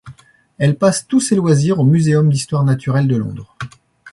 Elle passe tous ses loisirs au Muséum d'histoire naturelle de Londres.